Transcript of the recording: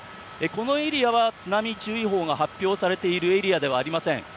このエリアは津波注意報が発表されているエリアではありません。